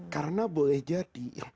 karena boleh jadi